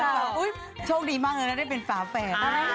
โอ๊ยโชคดีมากเลยที่ได้เป็นฟ้าแฝง